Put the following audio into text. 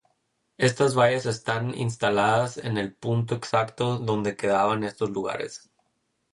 Estas vallas están instaladas en el punto exacto donde quedaban estos lugares.